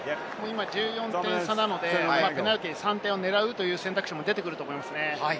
１４点差なので、ペナルティー、３点を狙うという選択肢も出てくると思いますね。